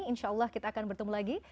insya allah kita akan bertemu lagi